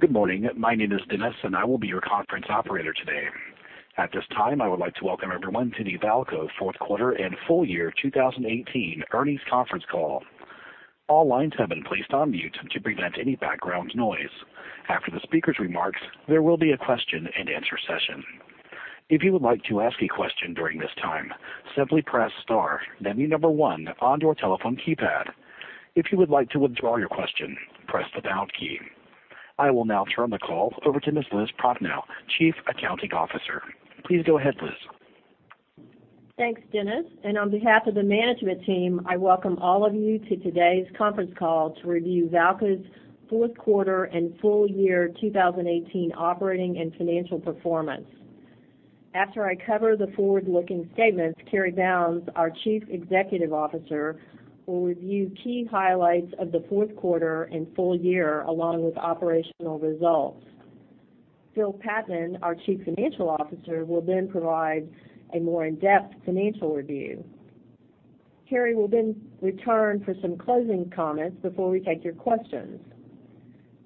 Good morning. My name is Dennis, and I will be your conference operator today. At this time, I would like to welcome everyone to the VAALCO Fourth Quarter and Full Year 2018 Earnings Conference Call. All lines have been placed on mute to prevent any background noise. After the speaker's remarks, there will be a question-and-answer session. If you would like to ask a question during this time, simply press star then the number one on your telephone keypad. If you would like to withdraw your question, press the pound key. I will now turn the call over to Ms. Elizabeth Prochnow, Chief Accounting Officer. Please go ahead, Liz. Thanks, Dennis, and on behalf of the management team, I welcome all of you to today's conference call to review VAALCO's fourth quarter and full year 2018 operating and financial performance. After I cover the forward-looking statements, Cary Bounds, our Chief Executive Officer, will review key highlights of the fourth quarter and full year, along with operational results. Phil Patman, our Chief Financial Officer, will then provide a more in-depth financial review. Cary will then return for some closing comments before we take your questions.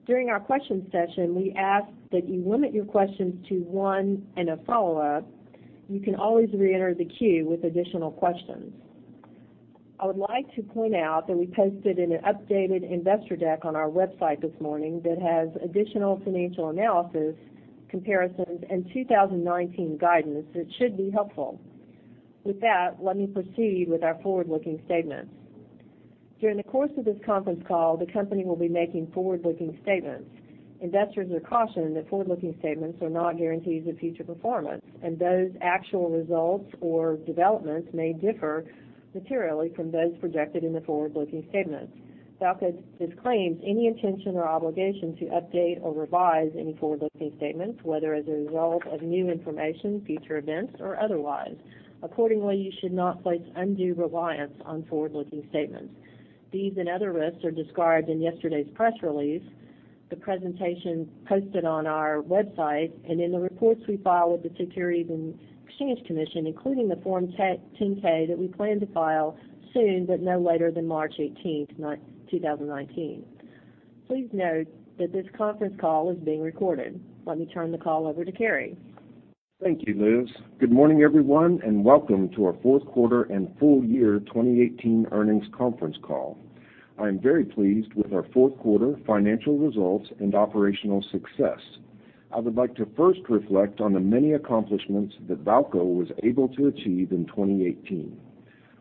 During our question session, we ask that you limit your questions to one and a follow-up. You can always reenter the queue with additional questions. I would like to point out that we posted an updated investor deck on our website this morning that has additional financial analysis, comparisons, and 2019 guidance that should be helpful. With that, let me proceed with our forward-looking statements. During the course of this conference call, the company will be making forward-looking statements. Investors are cautioned that forward-looking statements are not guarantees of future performance, and those actual results or developments may differ materially from those projected in the forward-looking statements. VAALCO disclaims any intention or obligation to update or revise any forward-looking statements, whether as a result of new information, future events, or otherwise. Accordingly, you should not place undue reliance on forward-looking statements. These and other risks are described in yesterday's press release, the presentation posted on our website, and in the reports we file with the Securities and Exchange Commission, including the Form 10-K that we plan to file soon, but no later than March 18th, 2019. Please note that this conference call is being recorded. Let me turn the call over to Cary. Thank you, Liz. Good morning, everyone, and welcome to our fourth quarter and full year 2018 earnings conference call. I am very pleased with our fourth quarter financial results and operational success. I would like to first reflect on the many accomplishments that VAALCO was able to achieve in 2018.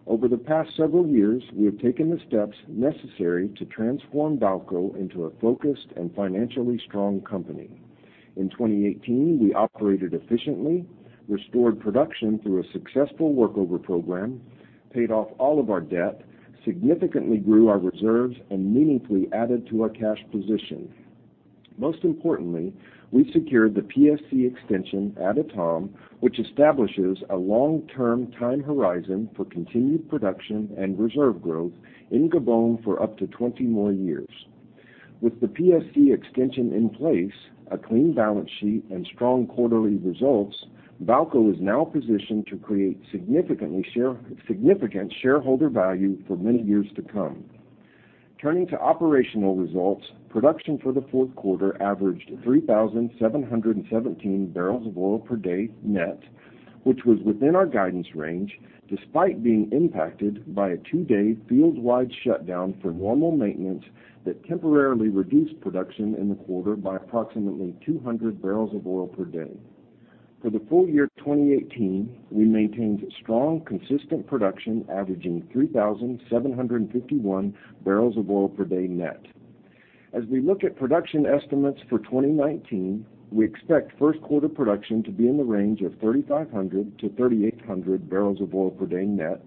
Over the past several years, we have taken the steps necessary to transform VAALCO into a focused and financially strong company. In 2018, we operated efficiently, restored production through a successful workover program, paid off all of our debt, significantly grew our reserves, and meaningfully added to our cash position. Most importantly, we secured the PSC extension at Etame, which establishes a long-term time horizon for continued production and reserve growth in Gabon for up to 20 more years. With the PSC extension in place, a clean balance sheet, and strong quarterly results, VAALCO is now positioned to create significant shareholder value for many years to come. Turning to operational results, production for the fourth quarter averaged 3,717 bbl of oil per day net, which was within our guidance range, despite being impacted by a two-day field-wide shutdown for normal maintenance that temporarily reduced production in the quarter by approximately 200 bbl of oil per day. For the full year 2018, we maintained strong, consistent production averaging 3,751 bbl of oil per day net. As we look at production estimates for 2019, we expect first quarter production to be in the range of 3,500-3,800 bbl of oil per day net.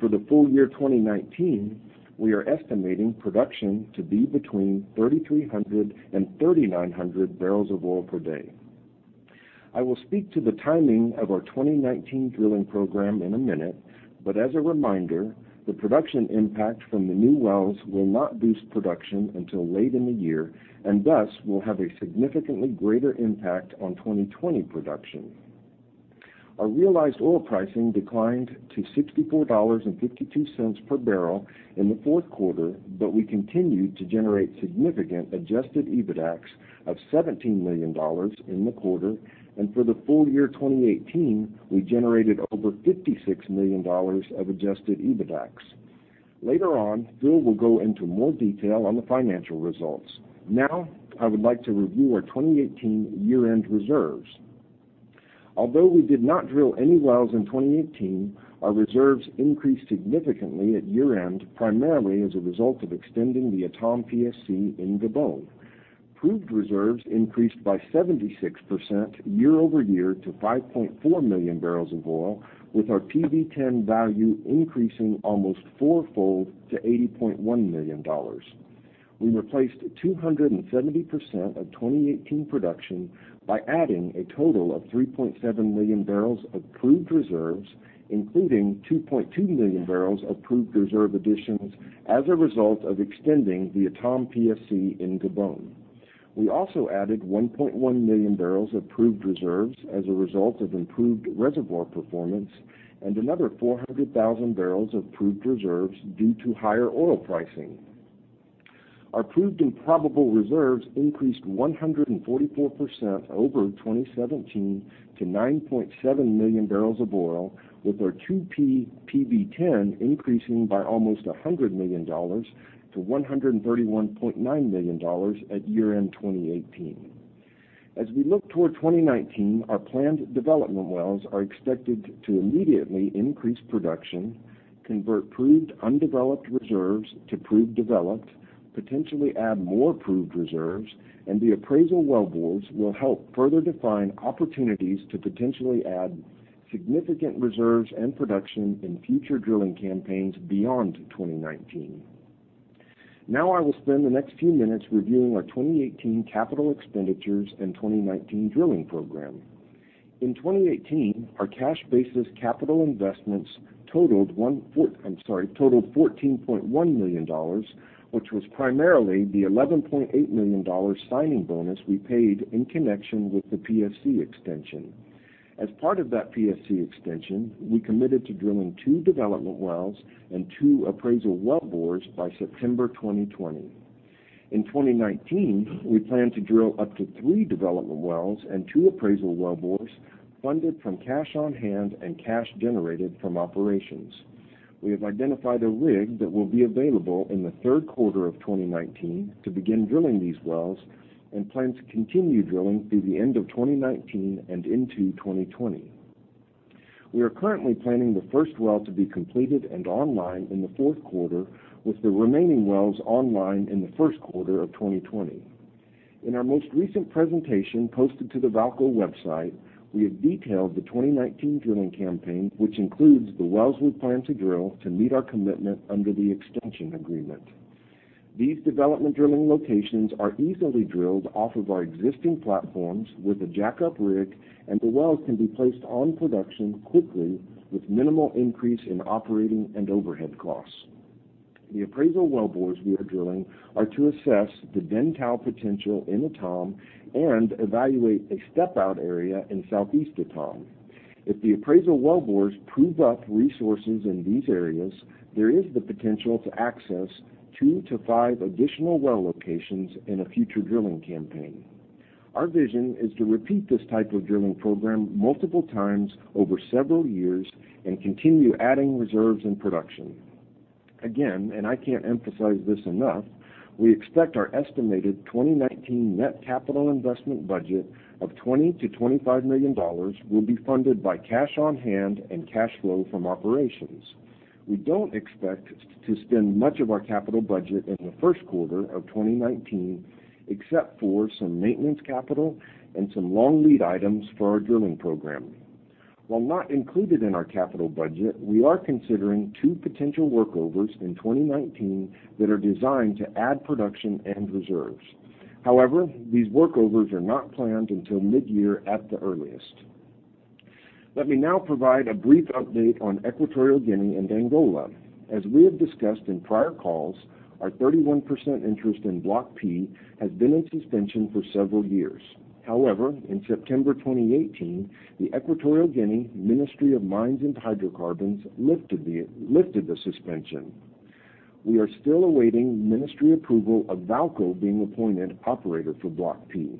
For the full year 2019, we are estimating production to be between 3,300 and 3,900 bbl of oil per day. I will speak to the timing of our 2019 drilling program in a minute, but as a reminder, the production impact from the new wells will not boost production until late in the year, and thus will have a significantly greater impact on 2020 production. Our realized oil pricing declined to $64.52 per barrel in the fourth quarter, but we continued to generate significant adjusted EBITDAX of $17 million in the quarter. For the full year 2018, we generated over $56 million of adjusted EBITDAX. Later on, Phil will go into more detail on the financial results. Now, I would like to review our 2018 year-end reserves. Although we did not drill any wells in 2018, our reserves increased significantly at year-end, primarily as a result of extending the Etame PSC in Gabon. Proved reserves increased by 76% year-over-year to 5.4 million bbl of oil, with our PV-10 value increasing almost fourfold to $80.1 million. We replaced 270% of 2018 production by adding a total of 3.7 million bbl of proved reserves, including 2.2 million bbl of proved reserve additions as a result of extending the Etame PSC in Gabon. We also added 1.1 million bbl of proved reserves as a result of improved reservoir performance and another 400,000 bbl of proved reserves due to higher oil pricing. Our proved and probable reserves increased 144% over 2017 to 9.7 million bbl of oil, with our 2P PV-10 increasing by almost $100 million-$131.9 million at year-end 2018. As we look toward 2019, our planned development wells are expected to immediately increase production, convert proved undeveloped reserves to proved developed, potentially add more proved reserves, and the appraisal wellbores will help further define opportunities to potentially add significant reserves and production in future drilling campaigns beyond 2019. Now I will spend the next few minutes reviewing our 2018 capital expenditures and 2019 drilling program. In 2018, our cash basis capital investments totaled $14.1 million, which was primarily the $11.8 million signing bonus we paid in connection with the PSC extension. As part of that PSC extension, we committed to drilling two development wells and two appraisal wellbores by September 2020. In 2019, we plan to drill up to three development wells and two appraisal wellbores funded from cash on hand and cash generated from operations. We have identified a rig that will be available in the third quarter of 2019 to begin drilling these wells and plan to continue drilling through the end of 2019 and into 2020. We are currently planning the first well to be completed and online in the fourth quarter, with the remaining wells online in the first quarter of 2020. In our most recent presentation posted to the VAALCO website, we have detailed the 2019 drilling campaign, which includes the wells we plan to drill to meet our commitment under the extension agreement. These development drilling locations are easily drilled off of our existing platforms with a jackup rig, and the wells can be placed on production quickly with minimal increase in operating and overhead costs. The appraisal wellbores we are drilling are to assess the Dentale potential in Etame and evaluate a step-out area in southeast Etame. If the appraisal wellbores prove up resources in these areas, there is the potential to access two to five additional well locations in a future drilling campaign. Our vision is to repeat this type of drilling program multiple times over several years and continue adding reserves and production. Again, and I can't emphasize this enough, we expect our estimated 2019 net capital investment budget of $20 million-$25 million will be funded by cash on hand and cash flow from operations. We don't expect to spend much of our capital budget in the first quarter of 2019 except for some maintenance capital and some long lead items for our drilling program. While not included in our capital budget, we are considering two potential workovers in 2019 that are designed to add production and reserves. However, these workovers are not planned until mid-year at the earliest. Let me now provide a brief update on Equatorial Guinea and Angola. As we have discussed in prior calls, our 31% interest in Block P has been in suspension for several years. However, in September 2018, the Equatorial Guinea Ministry of Mines and Hydrocarbons lifted the suspension. We are still awaiting Ministry approval of VAALCO being appointed operator for Block P.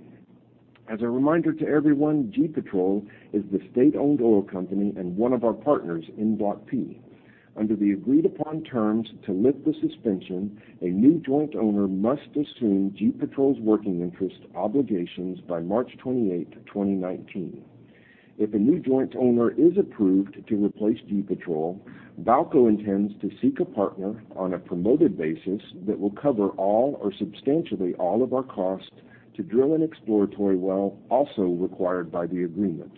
As a reminder to everyone, GEPetrol is the state-owned oil company and one of our partners in Block P. Under the agreed-upon terms to lift the suspension, a new joint owner must assume GEPetrol's working interest obligations by March 28th, 2019. If a new joint owner is approved to replace GEPetrol, VAALCO intends to seek a partner on a promoted basis that will cover all or substantially all of our cost to drill an exploratory well also required by the agreement.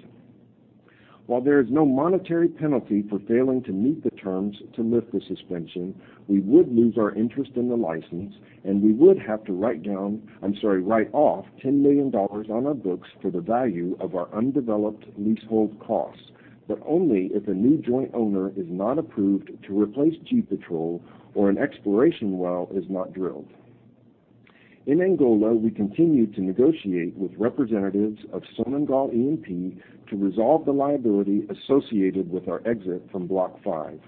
While there is no monetary penalty for failing to meet the terms to lift the suspension, we would lose our interest in the license, and we would have to write off $10 million on our books for the value of our undeveloped leasehold costs, but only if a new joint owner is not approved to replace GEPetrol or an exploration well is not drilled. In Angola, we continue to negotiate with representatives of Sonangol E&P to resolve the liability associated with our exit from Block 5.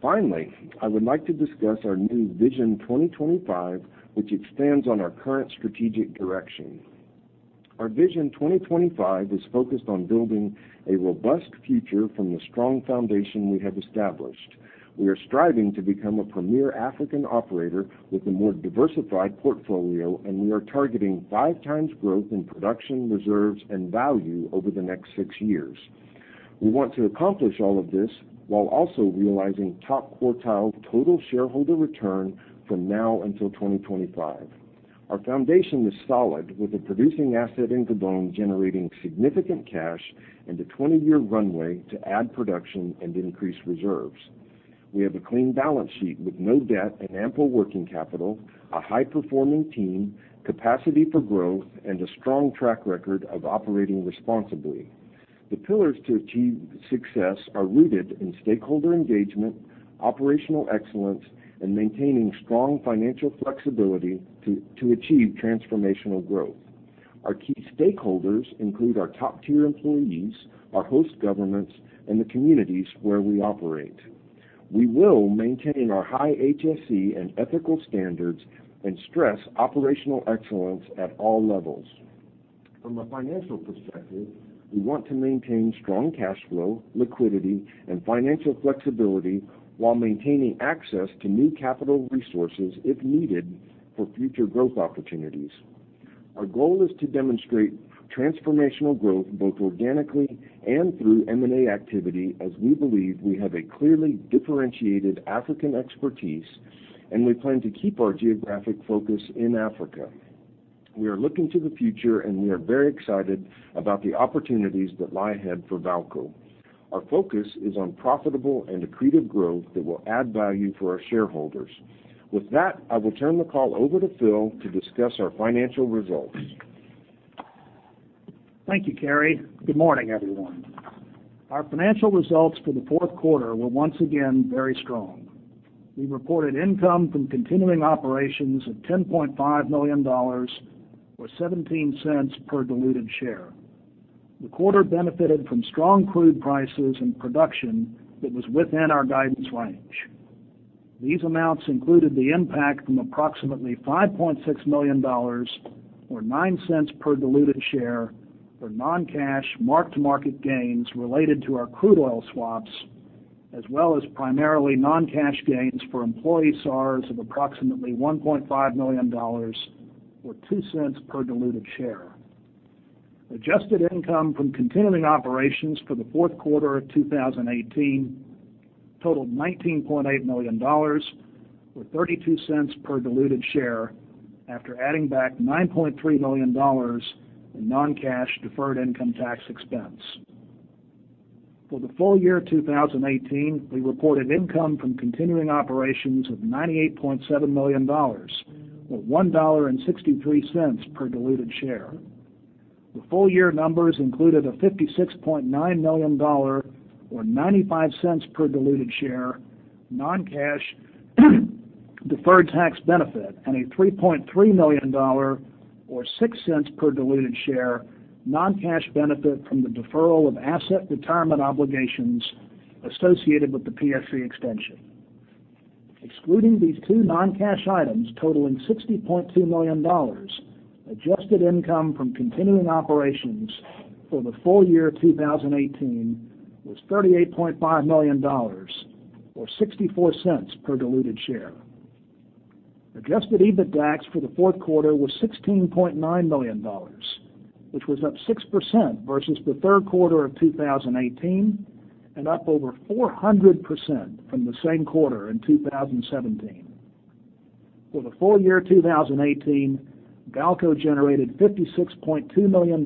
Finally, I would like to discuss our new Vision 2025, which expands on our current strategic direction. Our Vision 2025 is focused on building a robust future from the strong foundation we have established. We are striving to become a premier African operator with a more diversified portfolio, and we are targeting five times growth in production, reserves, and value over the next six years. We want to accomplish all of this while also realizing top-quartile total shareholder return from now until 2025. Our foundation is solid with a producing asset in Gabon generating significant cash and a 20-year runway to add production and increase reserves. We have a clean balance sheet with no debt and ample working capital, a high-performing team, capacity for growth, and a strong track record of operating responsibly. The pillars to achieve success are rooted in stakeholder engagement, operational excellence, and maintaining strong financial flexibility to achieve transformational growth. Our key stakeholders include our top-tier employees, our host governments, and the communities where we operate. We will maintain our high HSE and ethical standards and stress operational excellence at all levels. From a financial perspective, we want to maintain strong cash flow, liquidity, and financial flexibility while maintaining access to new capital resources if needed for future growth opportunities. Our goal is to demonstrate transformational growth both organically and through M&A activity, as we believe we have a clearly differentiated African expertise, and we plan to keep our geographic focus in Africa. We are looking to the future, and we are very excited about the opportunities that lie ahead for VAALCO. Our focus is on profitable and accretive growth that will add value for our shareholders. With that, I will turn the call over to Phil to discuss our financial results. Thank you, Cary. Good morning, everyone. Our financial results for the fourth quarter were once again very strong. We reported income from continuing operations of $10.5 million, or $0.17 per diluted share. The quarter benefited from strong crude prices and production that was within our guidance range. These amounts included the impact from approximately $5.6 million, or $0.09 per diluted share, for non-cash mark-to-market gains related to our crude oil swaps, as well as primarily non-cash gains for employee SARs of approximately $1.5 million, or $0.02 per diluted share. Adjusted income from continuing operations for the fourth quarter of 2018 totaled $19.8 million, or $0.32 per diluted share after adding back $9.3 million in non-cash deferred income tax expense. For the full year 2018, we reported income from continuing operations of $98.7 million, or $1.63 per diluted share. The full year numbers included a $56.9 million, or $0.95 per diluted share, non-cash deferred tax benefit and a $3.3 million, or $0.06 per diluted share, non-cash benefit from the deferral of asset retirement obligations associated with the PSC extension. Excluding these two non-cash items totaling $60.2 million, adjusted income from continuing operations for the full year 2018 was $38.5 million, or $0.64 per diluted share. Adjusted EBITDAX for the fourth quarter was $16.9 million, which was up 6% versus the third quarter of 2018 and up over 400% from the same quarter in 2017. For the full year 2018, VAALCO generated $56.2 million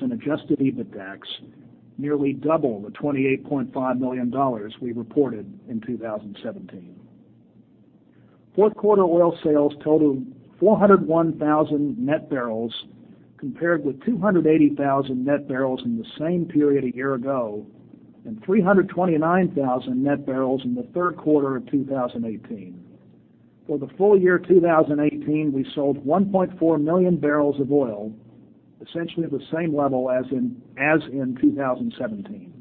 in adjusted EBITDAX, nearly double the $28.5 million we reported in 2017. Fourth quarter oil sales totaled 401,000 net bbl compared with 280,000 net bbl in the same period a year ago and 329,000 net bbl in the third quarter of 2018. For the full year 2018, we sold 1.4 million bbl of oil, essentially the same level as in 2017.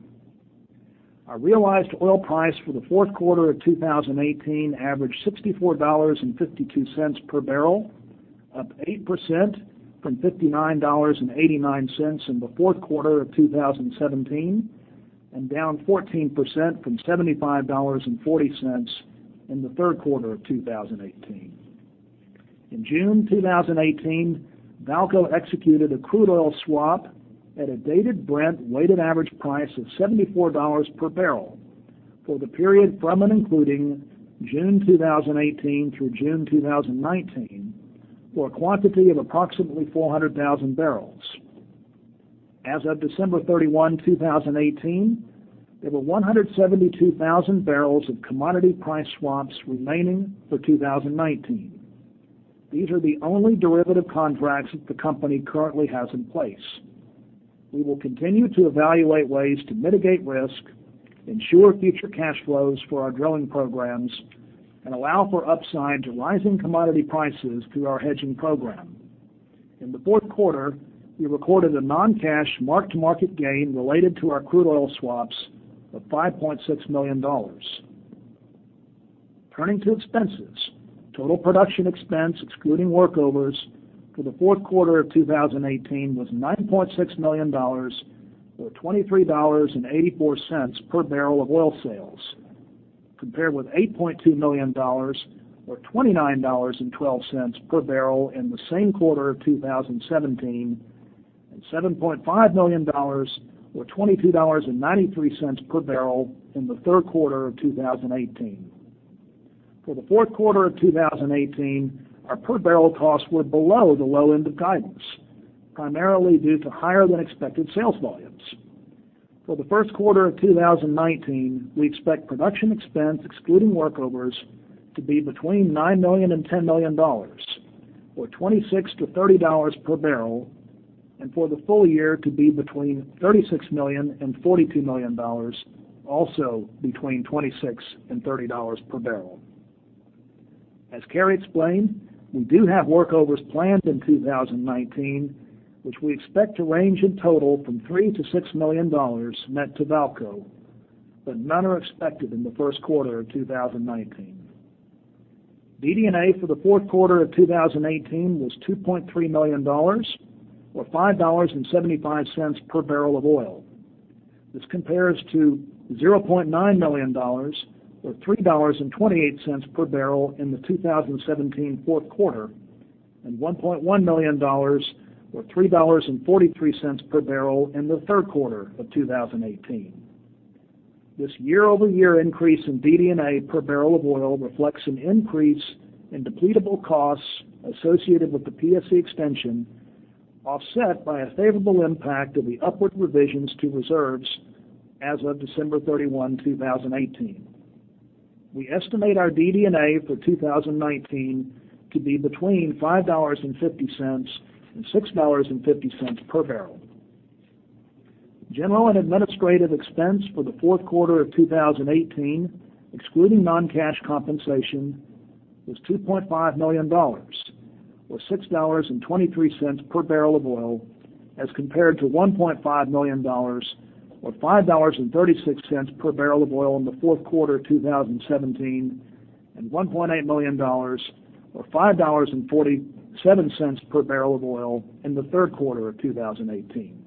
Our realized oil price for the fourth quarter of 2018 averaged $64.52 per bbl, up 8% from $59.89 in the fourth quarter of 2017 and down 14% from $75.40 in the third quarter of 2018. In June 2018, VAALCO executed a crude oil swap at a Dated Brent weighted average price of $74 per bbl for the period from and including June 2018 through June 2019 for a quantity of approximately 400,000 bbl. As of December 31, 2018, there were 172,000 bbl of commodity price swaps remaining for 2019. These are the only derivative contracts that the company currently has in place. We will continue to evaluate ways to mitigate risk, ensure future cash flows for our drilling programs, and allow for upside to rising commodity prices through our hedging program. In the fourth quarter, we recorded a non-cash mark-to-market gain related to our crude oil swaps of $5.6 million. Turning to expenses, total production expense, excluding workovers, for the fourth quarter of 2018 was $9.6 million, or $23.84 per bbl of oil sales, compared with $8.2 million, or $29.12 per bbl in the same quarter of 2017, and $7.5 million, or $22.93 per bbl in the third quarter of 2018. For the fourth quarter of 2018, our per bbl costs were below the low end of guidance, primarily due to higher than expected sales volumes. For the first quarter of 2019, we expect production expense, excluding workovers, to be between $9 million and $10 million, or $26 to $30 per bbl, and for the full year to be between $36 million and $42 million, also between $26 and $30 per bbl. As Cary explained, we do have workovers planned in 2019, which we expect to range in total from $3 million to $6 million net to VAALCO, but none are expected in the first quarter of 2019. DD&A for the fourth quarter of 2018 was $2.3 million, or $5.75 per bbl of oil. This compares to $0.9 million, or $3.28 per bbl in the 2017 fourth quarter, and $1.1 million or $3.43 per bbl in the third quarter of 2018. This year-over-year increase in DD&A per barrel of oil reflects an increase in depletable costs associated with the PSC extension, offset by a favorable impact of the upward revisions to reserves as of December 31, 2018. We estimate our DD&A for 2019 to be between $5.50 and $6.50 per bbl. General and administrative expense for the fourth quarter of 2018, excluding non-cash compensation, was $2.5 million, or $6.23 per bbl of oil, as compared to $1.5 million or $5.36 per bbl of oil in the fourth quarter of 2017, and $1.8 million or $5.47 per bbl of oil in the third quarter of 2018.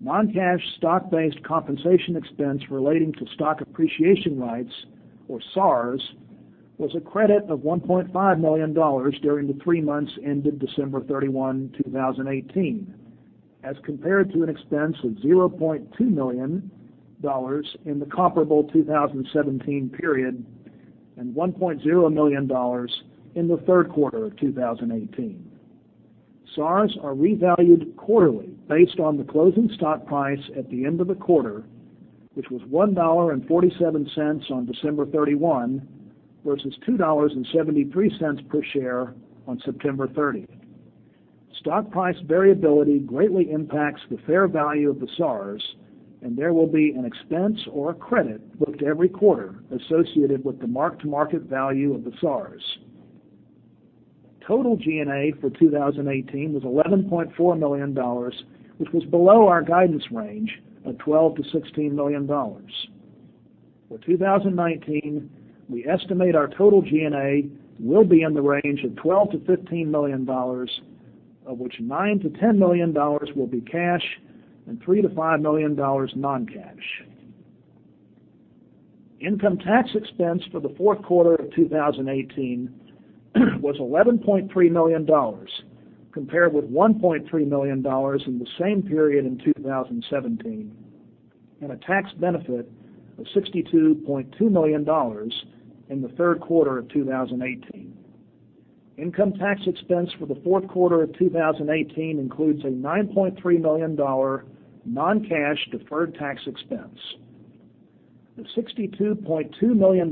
Non-cash Stock Appreciation Rights, or SARs, compensation expense relating to Stock Appreciation Rights, or SARs, was a credit of $1.5 million during the three months ended December 31, 2018, as compared to an expense of $0.2 million in the comparable 2017 period, and $1.0 million in the third quarter of 2018. SARs are revalued quarterly based on the closing stock price at the end of the quarter, which was $1.47 on December 31 versus $2.73 per share on September 30. Stock price variability greatly impacts the fair value of the SARs, and there will be an expense or a credit booked every quarter associated with the market-to-market value of the SARs. Total G&A for 2018 was $11.4 million, which was below our guidance range of $12 million-$16 million. For 2019, we estimate our total G&A will be in the range of $12 million-$15 million, of which $9 million-$10 million will be cash and $3 million-$5 million non-cash. Income tax expense for the fourth quarter of 2018 was $11.3 million, compared with $1.3 million in the same period in 2017, and a tax benefit of $62.2 million in the third quarter of 2018. Income tax expense for the fourth quarter of 2018 includes a $9.3 million non-cash deferred tax expense. The $62.2 million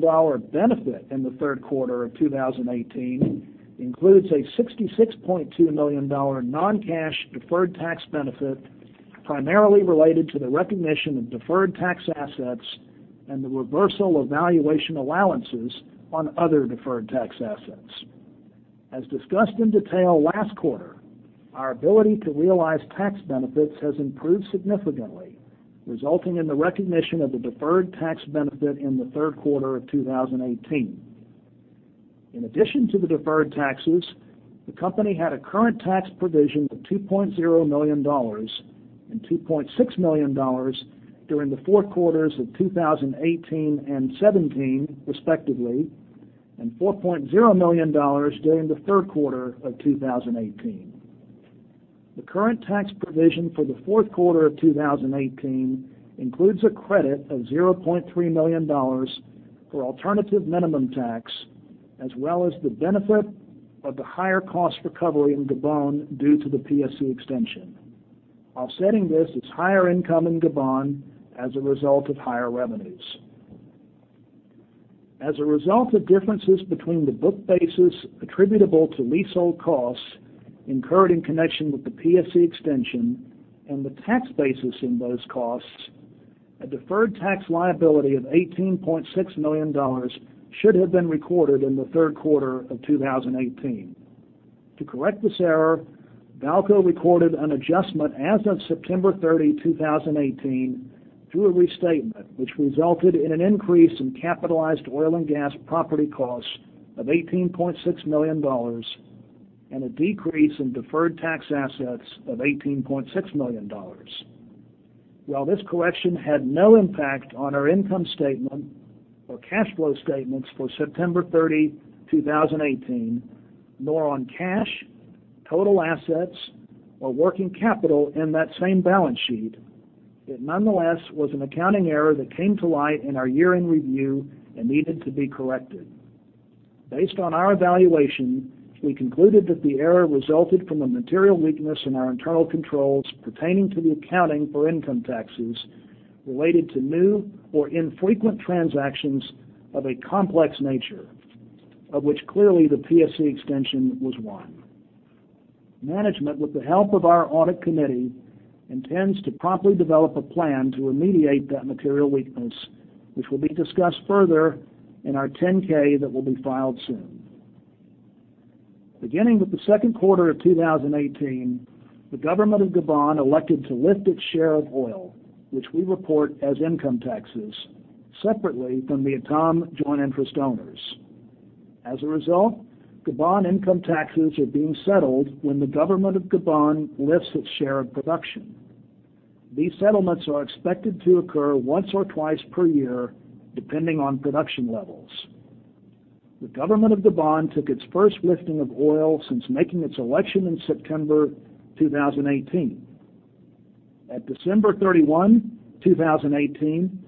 benefit in the third quarter of 2018 includes a $66.2 million non-cash deferred tax benefit, primarily related to the recognition of deferred tax assets and the reversal of valuation allowances on other deferred tax assets. As discussed in detail last quarter, our ability to realize tax benefits has improved significantly, resulting in the recognition of the deferred tax benefit in the third quarter of 2018. In addition to the deferred taxes, the company had a current tax provision of $2.0 million and $2.6 million during the fourth quarters of 2018 and 2017, respectively, and $4.0 million during the third quarter of 2018. The current tax provision for the fourth quarter of 2018 includes a credit of $0.3 million for alternative minimum tax, as well as the benefit of the higher cost recovery in Gabon due to the PSC extension. Offsetting this is higher income in Gabon as a result of higher revenues. As a result of differences between the book basis attributable to leasehold costs incurred in connection with the PSC extension and the tax basis in those costs, a deferred tax liability of $18.6 million should have been recorded in the third quarter of 2018. To correct this error, VAALCO recorded an adjustment as of September 30, 2018, through a restatement, which resulted in an increase in capitalized oil and gas property costs of $18.6 million and a decrease in deferred tax assets of $18.6 million. While this correction had no impact on our income statement or cash flow statements for September 30, 2018, nor on cash, total assets, or working capital in that same balance sheet, it nonetheless was an accounting error that came to light in our year-end review and needed to be corrected. Based on our evaluation, we concluded that the error resulted from a material weakness in our internal controls pertaining to the accounting for income taxes related to new or infrequent transactions of a complex nature, of which clearly the PSC extension was one. Management, with the help of our audit committee, intends to promptly develop a plan to remediate that material weakness, which will be discussed further in our 10-K that will be filed soon. Beginning with the second quarter of 2018, the government of Gabon elected to lift its share of oil, which we report as income taxes separately from the Etame joint interest owners. As a result, Gabon income taxes are being settled when the government of Gabon lifts its share of production. These settlements are expected to occur once or twice per year, depending on production levels. The government of Gabon took its first lifting of oil since making its election in September 2018. At December 31, 2018,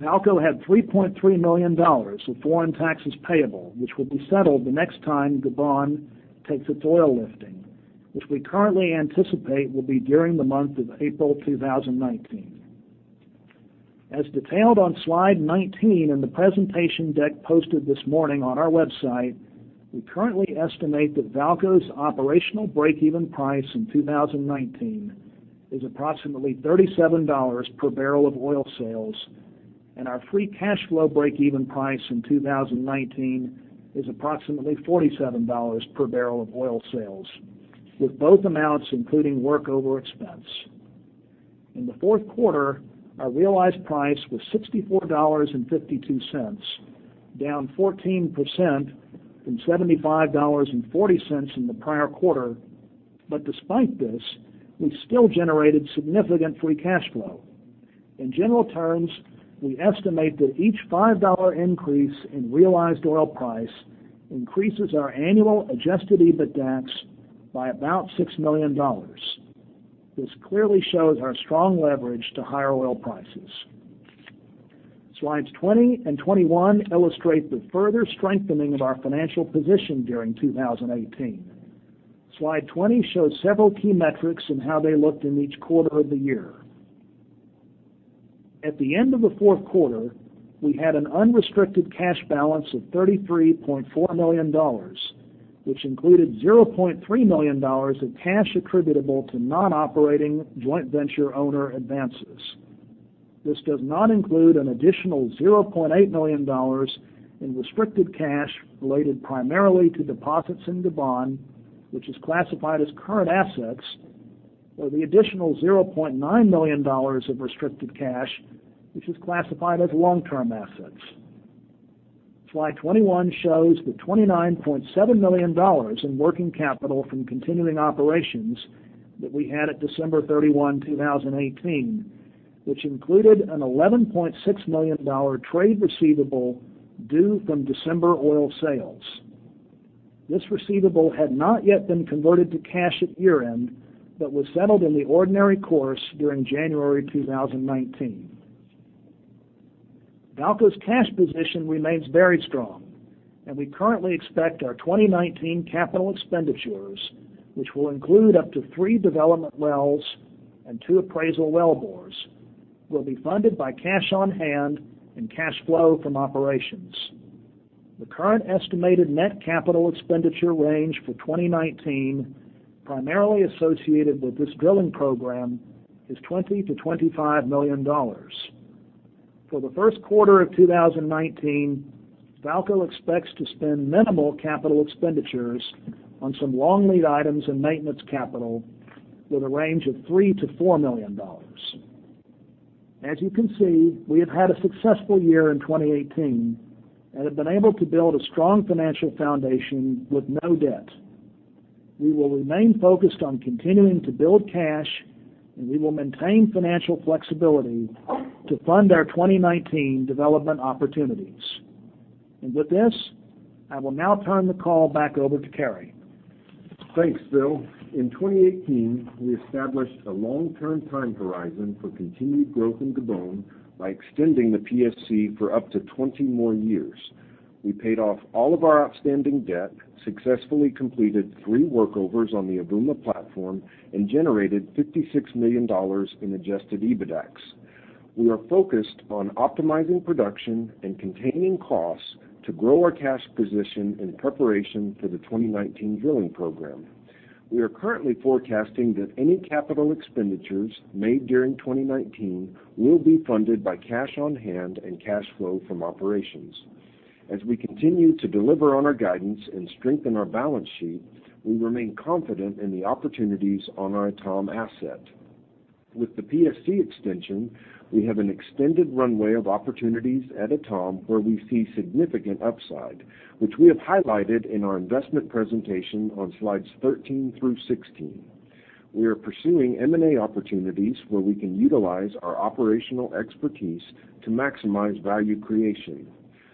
VAALCO had $3.3 million of foreign taxes payable, which will be settled the next time Gabon takes its oil lifting, which we currently anticipate will be during the month of April 2019. As detailed on slide 19 in the presentation deck posted this morning on our website, we currently estimate that VAALCO's operational breakeven price in 2019 is approximately $37 per bbl of oil sales, and our free cash flow breakeven price in 2019 is approximately $47 per bbl of oil sales, with both amounts including workover expense. Despite this, we still generated significant free cash flow. In general terms, we estimate that each $5 increase in realized oil price increases our annual adjusted EBITDAX by about $6 million. This clearly shows our strong leverage to higher oil prices. Slides 20 and 21 illustrate the further strengthening of our financial position during 2018. Slide 20 shows several key metrics and how they looked in each quarter of the year. At the end of the fourth quarter, we had an unrestricted cash balance of $33.4 million, which included $0.3 million in cash attributable to non-operating joint venture owner advances. This does not include an additional $0.8 million in restricted cash related primarily to deposits in Gabon, which is classified as current assets, or the additional $0.9 million of restricted cash, which is classified as long-term assets. Slide 21 shows the $29.7 million in working capital from continuing operations that we had at December 31, 2018, which included an $11.6 million trade receivable due from December oil sales. This receivable had not yet been converted to cash at year-end but was settled in the ordinary course during January 2019. VAALCO's cash position remains very strong, and we currently expect our 2019 capital expenditures, which will include up to three development wells and two appraisal wellbores, will be funded by cash on hand and cash flow from operations. The current estimated net capital expenditure range for 2019, primarily associated with this drilling program, is $20 million-$25 million. For the first quarter of 2019, VAALCO expects to spend minimal capital expenditures on some long lead items and maintenance capital with a range of $3 million-$4 million. As you can see, we have had a successful year in 2018 and have been able to build a strong financial foundation with no debt. We will remain focused on continuing to build cash, and we will maintain financial flexibility to fund our 2019 development opportunities. With this, I will now turn the call back over to Cary. Thanks, Phil. In 2018, we established a long-term time horizon for continued growth in Gabon by extending the PSC for up to 20 more years. We paid off all of our outstanding debt, successfully completed three workovers on the Avouma platform, and generated $56 million in adjusted EBITDAX. We are focused on optimizing production and containing costs to grow our cash position in preparation for the 2019 drilling program. We are currently forecasting that any capital expenditures made during 2019 will be funded by cash on hand and cash flow from operations. As we continue to deliver on our guidance and strengthen our balance sheet, we remain confident in the opportunities on our Etame asset. With the PSC extension, we have an extended runway of opportunities at Etame where we see significant upside, which we have highlighted in our investment presentation on slides 13 through 16. We are pursuing M&A opportunities where we can utilize our operational expertise to maximize value creation.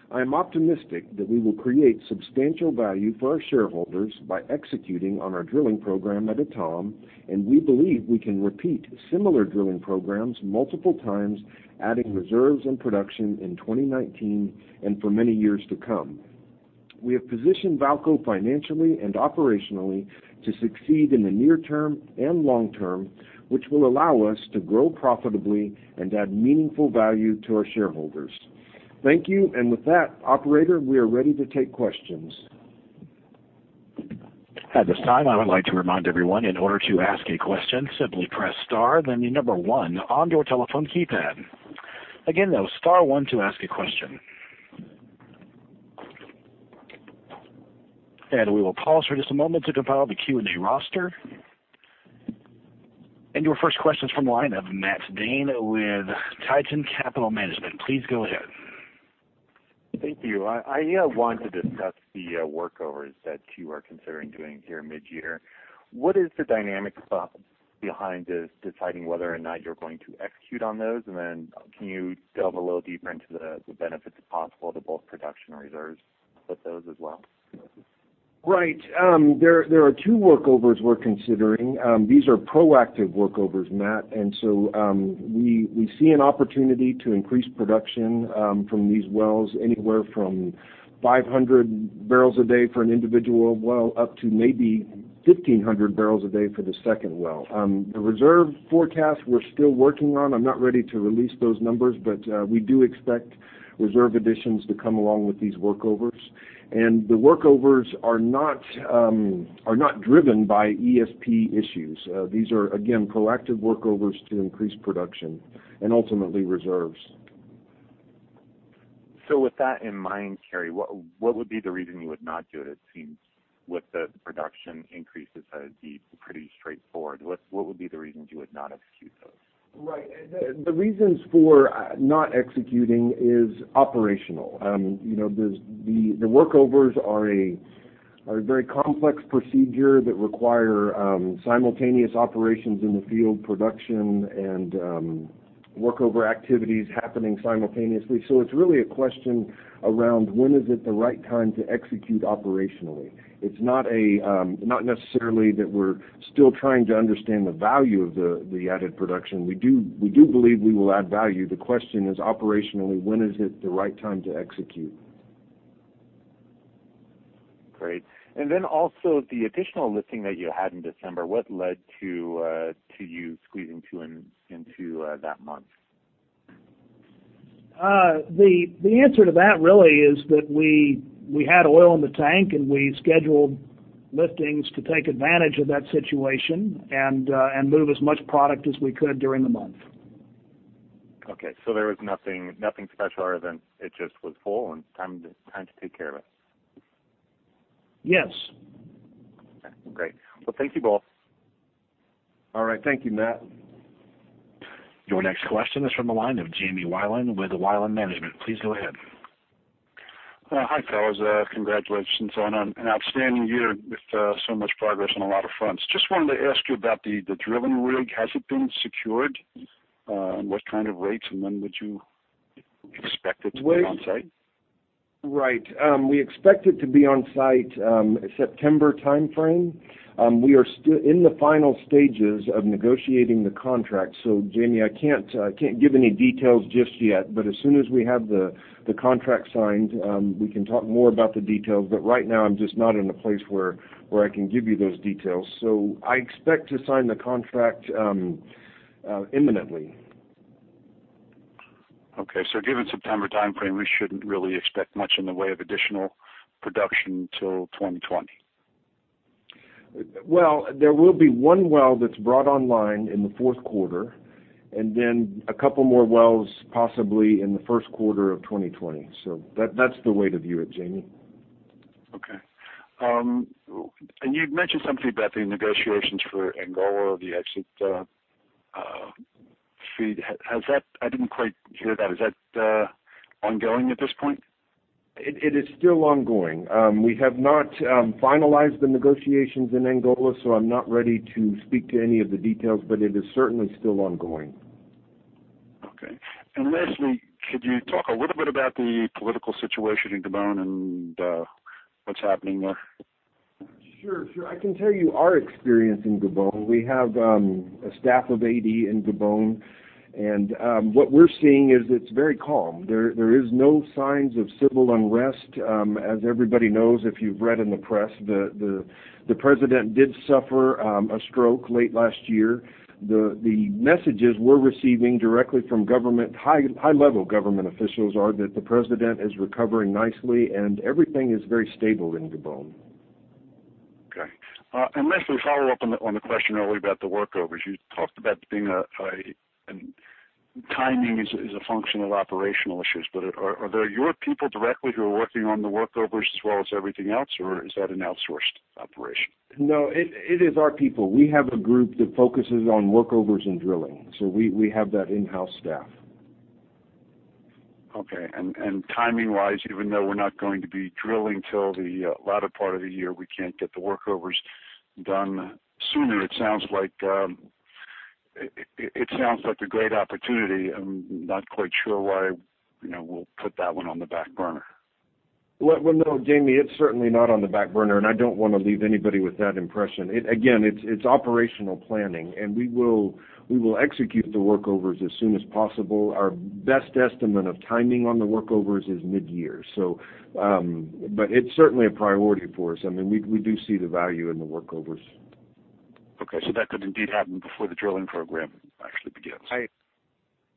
I am optimistic that we will create substantial value for our shareholders by executing on our drilling program at Etame, and we believe we can repeat similar drilling programs multiple times, adding reserves and production in 2019 and for many years to come. We have positioned VAALCO financially and operationally to succeed in the near term and long term, which will allow us to grow profitably and add meaningful value to our shareholders. Thank you and with that, operator, we are ready to take questions. At this time, I would like to remind everyone, in order to ask a question, simply press star, then the number one on your telephone keypad. Again, that was star to ask a question. We will pause for just a moment to compile the Q&A roster. Your first question's from the line of Matt Dane with Titan Capital Management. Please go ahead. Thank you. I want to discuss the workovers that you are considering doing here mid-year. What is the dynamic behind this deciding whether or not you're going to execute on those? Can you delve a little deeper into the benefits possible to both production and reserves with those as well? Right. There are two workovers we're considering. These are proactive workovers, Matt. We see an opportunity to increase production from these wells, anywhere from 500 bbl a day for an individual well, up to maybe 1,500 bbl a day for the second well. The reserve forecast we're still working on. I'm not ready to release those numbers, but we do expect reserve additions to come along with these workovers. The workovers are not driven by ESP issues. These are, again, proactive workovers to increase production and ultimately reserves. With that in mind, Cary, what would be the reason you would not do it? It seems with the production increases, that'd be pretty straightforward. What would be the reason you would not execute those? Right. The reasons for not executing is operational. The workovers are a very complex procedure that require simultaneous operations in the field production and workover activities happening simultaneously. It's really a question around when is it the right time to execute operationally. It's not necessarily that we're still trying to understand the value of the added production. We do believe we will add value. The question is, operationally, when is it the right time to execute? Great. Also the additional lifting that you had in December, what led to you squeezing into that month? The answer to that really is that we had oil in the tank, and we scheduled liftings to take advantage of that situation and move as much product as we could during the month. Okay, there was nothing special other than it just was full and time to take care of it. Yes. Okay, great. Well, thank you both. All right. Thank you, Matt. Your next question is from the line of Jamie Weiland with Weiland Management. Please go ahead. Hi, fellas. Congratulations on an outstanding year with so much progress on a lot of fronts. Just wanted to ask you about the drilling rig. Has it been secured? What kind of rates, and when would you expect it to be on-site? Right. We expect it to be on site September timeframe. We are still in the final stages of negotiating the contract. Jamie, I can't give any details just yet. As soon as we have the contract signed, we can talk more about the details. Right now, I'm just not in a place where I can give you those details. I expect to sign the contract imminently. Okay, given September timeframe, we shouldn't really expect much in the way of additional production till 2020. Well, there will be one well that's brought online in the fourth quarter, then a couple more wells possibly in the first quarter of 2020. That's the way to view it, Jamie. Okay. You'd mentioned something about the negotiations for Angola, the exit fee. I didn't quite hear that. Is that ongoing at this point? It is still ongoing. We have not finalized the negotiations in Angola, I'm not ready to speak to any of the details, it is certainly still ongoing. Okay. Lastly, could you talk a little bit about the political situation in Gabon and what's happening there? Sure. I can tell you our experience in Gabon. We have a staff of 80 in Gabon, what we're seeing is it's very calm. There is no signs of civil unrest. As everybody knows, if you've read in the press, the president did suffer a stroke late last year. The messages we're receiving directly from high-level government officials are that the president is recovering nicely and everything is very stable in Gabon. Okay. Lastly, follow up on the question earlier about the workovers. You talked about timing is a function of operational issues. Are there your people directly who are working on the workovers as well as everything else, or is that an outsourced operation? No, it is our people. We have a group that focuses on workovers and drilling, we have that in-house staff. Okay. Timing-wise, even though we're not going to be drilling till the latter part of the year, we can't get the workovers done sooner. It sounds like a great opportunity. I'm not quite sure why we'll put that one on the back burner. Well, no, Jamie, it's certainly not on the back burner. I don't want to leave anybody with that impression. Again, it's operational planning. We will execute the workovers as soon as possible. Our best estimate of timing on the workovers is mid-year. It's certainly a priority for us. I mean, we do see the value in the workovers. Okay, that could indeed happen before the drilling program actually begins.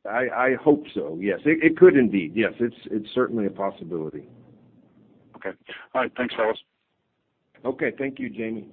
I hope so. Yes. It could indeed. Yes. It's certainly a possibility. Okay. All right. Thanks, fellas. Okay. Thank you, Jamie.